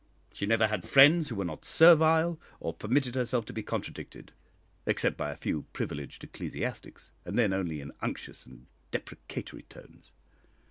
She never had friends who were not servile, or permitted herself to be contradicted, except by a few privileged ecclesiastics, and then only in unctuous and deprecatory tones.